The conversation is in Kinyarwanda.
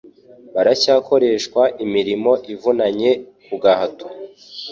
Baracyakoreshwa imirimo ivunanye kugahato